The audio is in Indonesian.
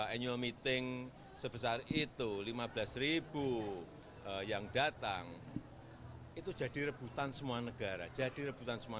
annual meeting sebesar itu lima belas ribu yang datang itu jadi rebutan semua negara jadi rebutan semua